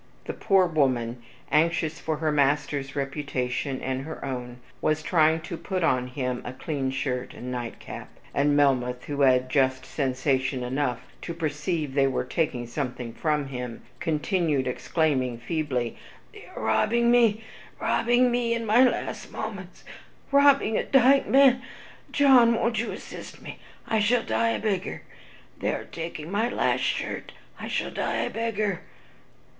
The poor woman, anxious for her master's reputation and her own, was trying to put on him a clean shirt and nightcap, and Melmoth, who had just sensation enough to perceive they were taking something from him, continued exclaiming feebly, "They are robbing me, robbing me in my last moments, robbing a dying man. John, won't you assist me, I shall die a beggar; they are taking my last shirt, I shall die a beggar."